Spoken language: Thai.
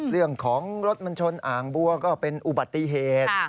เรื่องของรถมันชนอ่างบัวก็เป็นอุบัติเหตุ